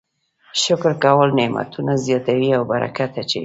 شکر کول نعمتونه زیاتوي او برکت اچوي.